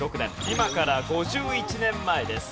今から５１年前です。